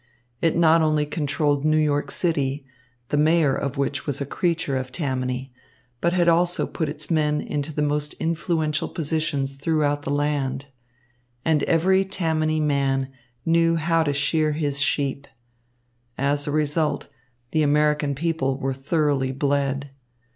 It not only controlled New York City, the mayor of which was a creature of Tammany, but had also put its men into the most influential positions throughout the land. And every Tammany man knew how to shear his sheep. As a result, the American people were thoroughly bled.